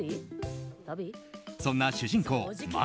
そんな主人公ま